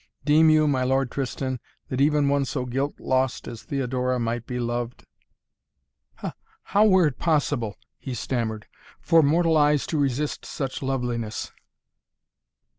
Deem you, my Lord Tristan, that even one so guilt lost as Theodora might be loved?" "How were it possible," he stammered, "for mortal eyes to resist such loveliness?"